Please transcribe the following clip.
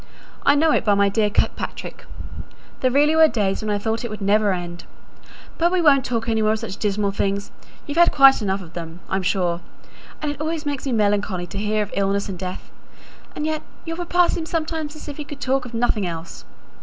I know it by my dear Kirkpatrick. There really were days when I thought it never would end. But we won't talk any more of such dismal things; you've had quite enough of them, I'm sure, and it always makes me melancholy to hear of illness and death; and yet your papa seems sometimes as if he could talk of nothing else.